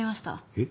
えっ？